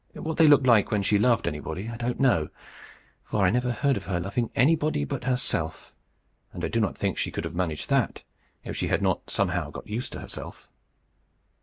What they looked like when she loved anybody, I do not know; for I never heard of her loving anybody but herself, and I do not think she could have managed that if she had not somehow got used to herself.